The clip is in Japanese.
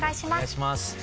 お願いします。